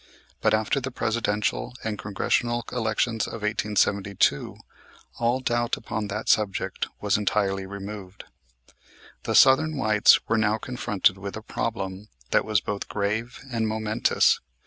But after the Presidential and Congressional elections of 1872 all doubt upon that subject was entirely removed. The Southern whites were now confronted with a problem that was both grave and momentous.